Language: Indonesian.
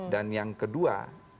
dan yang kedua